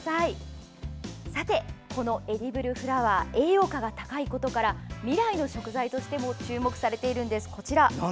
このエディブルフラワー栄養価が高いことから未来の食材としても注目されています。